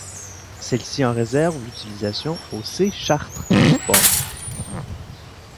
Celle-ci en réserve l'utilisation au C' Chartres Football.